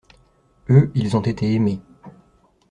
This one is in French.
Eux, ils ont été aimé.